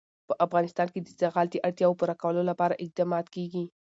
په افغانستان کې د زغال د اړتیاوو پوره کولو لپاره اقدامات کېږي.